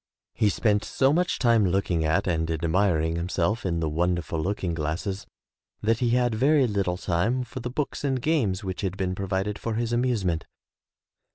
He spent so much time looking at and admiring himself in the wonderful looking glasses that he had very Httle time for the books and games which had been provided for his amuse ment.